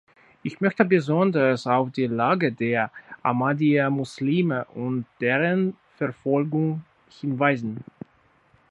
Ich möchte besonders auf die Lage der Ahmadiyya-Muslime und deren Verfolgung hinweisen.